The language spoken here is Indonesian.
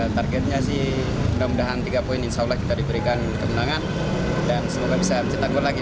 targetnya sih mudah mudahan tiga poin insya allah kita diberikan kemenangan dan semoga bisa cetak gol lagi